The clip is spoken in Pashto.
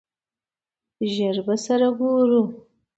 ژر به سره ګورو!